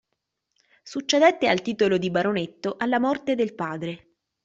Succedette al titolo di baronetto alla morte del padre.